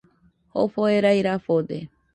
Jofo jerai rafode